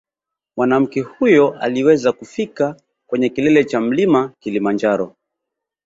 Mwanamke huyo aliweza kufika kwenye kilele cha mlima Kilimanjaro